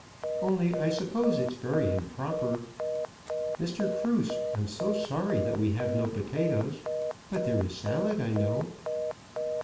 Only, I suppose it's very improper. Mr. Cruse, I'm so sorry that we have no potatoes; but there is salad, I know."